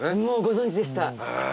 もうご存じでした。